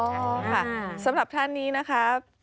ค่ะสำหรับท่านนี้นะคะ